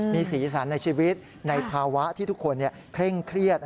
มีสีสันในชีวิตในภาวะที่ทุกคนเคร่งเครียด